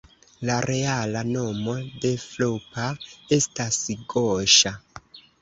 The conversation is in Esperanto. La reala nomo de Floppa estas Goŝa.